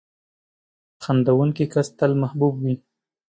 • خندېدونکی کس تل محبوب وي.